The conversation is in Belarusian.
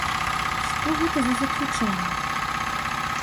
Што гэта за заключэнні?